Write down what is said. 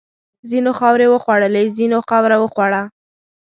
ځینو خاورې وخوړلې، ځینو خاوره وخوړه.